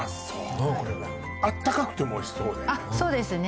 これあったかくてもおいしそうねあそうですね